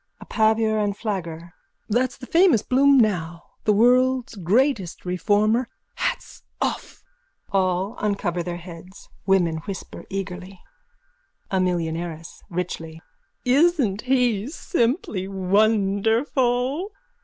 A PAVIOR AND FLAGGER: That's the famous Bloom now, the world's greatest reformer. Hats off! (All uncover their heads. Women whisper eagerly.) A MILLIONAIRESS: (Richly.) Isn't he simply wonderful?